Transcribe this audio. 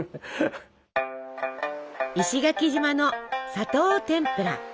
石垣島の「砂糖てんぷら」。